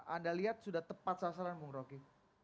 anda lihat sudah tepat sasaran bung roky